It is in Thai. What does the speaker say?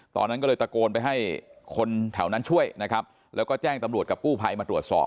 ตอนนั้นก็เลยตะโกนไปให้คนแถวนั้นช่วยนะครับแล้วก็แจ้งตำรวจกับกู้ภัยมาตรวจสอบ